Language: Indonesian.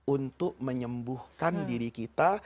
untuk menyembuhkan diri kita